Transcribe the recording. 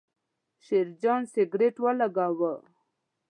شیرجان سګرېټ ولګاوې.